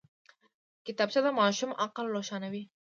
کتابچه د ماشوم عقل روښانوي